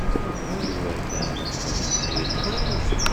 Yuba atan weḥd-s deg uxxam.